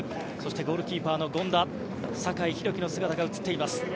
そして、ゴールキーパーの権田酒井宏樹の姿が映っています。